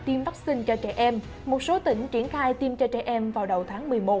tiêm vaccine cho trẻ em một số tỉnh triển khai tiêm cho trẻ em vào đầu tháng một mươi một